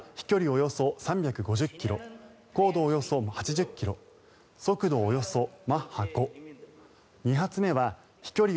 およそ３５０ｋｍ高度およそ８０ｋｍ速度およそマッハ５２発目は飛距離